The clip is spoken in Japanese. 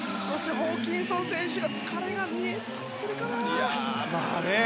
ホーキンソン選手に疲れが見えているかな。